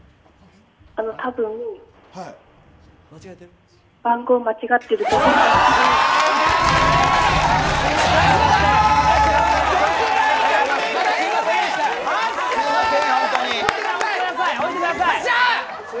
多分、番号間違ってると思います。